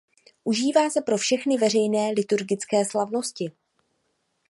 Užívá se pro všechny veřejné liturgické slavnosti.